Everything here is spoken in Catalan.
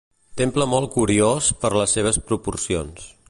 Temple molt curiós per les seves proporcions.